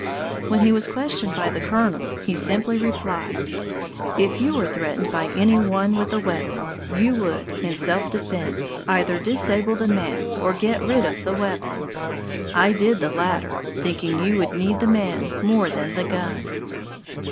When he was questioned by the Colonel, he simply replied: "If you were threatened by any one with a weapon, you would, in self defense, either disable the man or get rid of the weapon. I did the latter, thinking that you would need the man more than the gun."